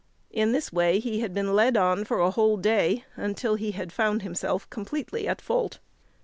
In this way he had been led on for a whole day, until he had found himself completely at fault.